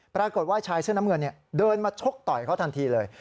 ปรากฏว่าชายเสื้อน้ำเงินเดินมาชกต่อยเขาทันทีเลย